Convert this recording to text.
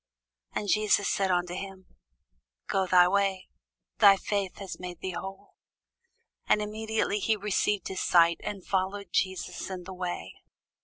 And Jesus said unto him, Go thy way; thy faith hath made thee whole. And immediately he received his sight, and followed Jesus in the way.